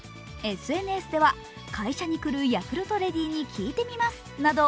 ＳＮＳでは、会社に来るヤクルトレディに聞いてみますなど